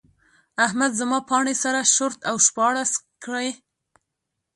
احمد زما پاڼې سره شرت او شپاړس کړې.